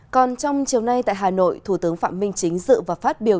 còn trong chiều nay tại hà nội thủ tướng phạm minh chính dự và phát biểu